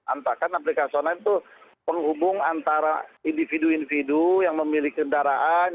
antarakan aplikasi online itu penghubung antara individu individu yang memiliki kendaraan